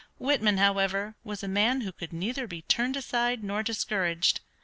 Whitman, however, was a man who could neither be turned aside nor discouraged.